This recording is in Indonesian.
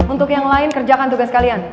untuk yang lain kerjakan tugas kalian